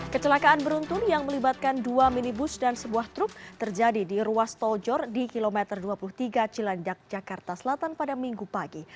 kecelakaan beruntun yang melibatkan dua minibus dan sebuah truk terjadi di ruas tol jor di kilometer dua puluh tiga cilandak jakarta selatan pada minggu pagi